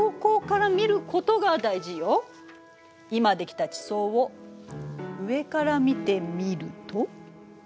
今できた地層を上から見てみると？